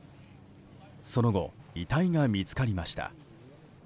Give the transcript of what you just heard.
その後遺体が見つかりました。